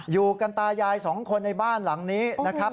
อยู่กันตายายสองคนในบ้านหลังนี้นะครับ